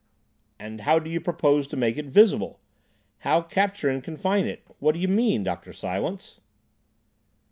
"And how do you propose to make it visible? How capture and confine it? What d'ye mean, Dr. John Silence?"